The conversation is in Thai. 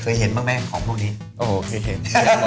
เห็นบ้างไหมของพวกนี้โอ้โหเคยเห็น